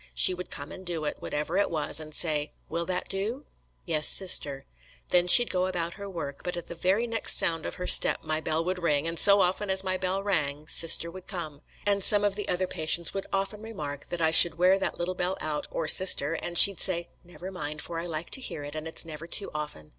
She would come and do it, whatever it was, and say, 'Will that do?' 'Yes, Sister.' Then she'd go about her work, but at the very next sound of her step my bell would ring, and so often as my bell rang Sister would come; and some of the other patients would often remark that I should wear that little bell out or Sister, and she'd say, 'Never mind, for I like to hear it, and it's never too often.'